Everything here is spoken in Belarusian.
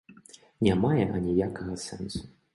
Не мае аніякага сэнсу!